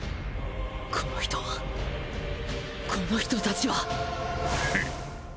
この人はこの人たちはフン！